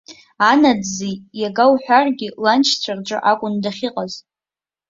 Анаӡӡеи иага уҳәаргьы ланшьцәа рҿы акәын дахьыҟаз.